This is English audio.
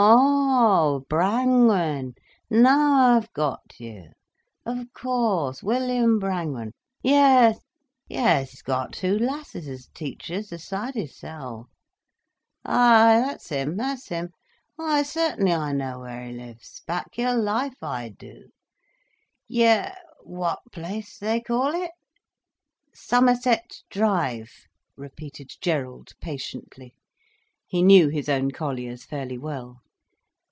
"O o o oh, Brangwen! Now I've got you. Of course, William Brangwen! Yes, yes, he's got two lasses as teachers, aside hisself. Ay, that's him—that's him! Why certainly I know where he lives, back your life I do! Yi—what place do they ca' it?" "Somerset Drive," repeated Gerald patiently. He knew his own colliers fairly well.